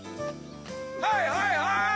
はいはいはい！